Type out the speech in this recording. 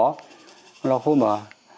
ông lọc hô bảo